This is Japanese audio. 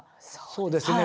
そうですね